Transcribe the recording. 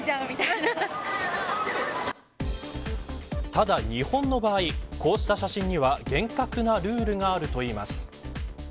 ただ、日本の場合こうした写真には厳格なルールがあるといいます。